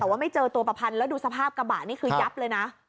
แต่ว่าไม่เจอตัวประพันธ์แล้วดูสภาพกระบะนี่คือยับเลยนะ